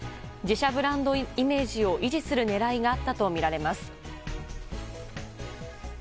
自社ブランドイメージを維持する狙いがあったとみられます。